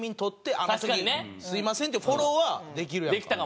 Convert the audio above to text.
「あの時すみません」っていうフォローはできるやんか。